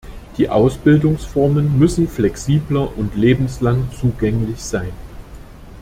Die Ausbildungsformen müssen flexibler und lebenslang zugänglich sein.